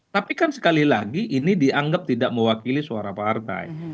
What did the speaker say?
tapi kan sekali lagi ini dianggap tidak mewakili suara partai